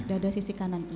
dada sisi kanan